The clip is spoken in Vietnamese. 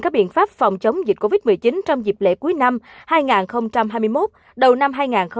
các biện pháp phòng chống dịch covid một mươi chín trong dịp lễ cuối năm hai nghìn hai mươi một đầu năm hai nghìn hai mươi bốn